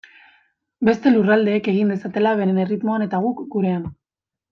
Beste lurraldeek egin dezatela beren erritmoan eta guk gurean.